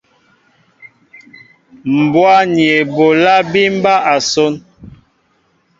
Mbwá ni eɓólá bí mɓá asón.